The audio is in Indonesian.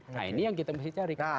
nah ini yang kita mesti cari kan